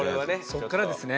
そっからですね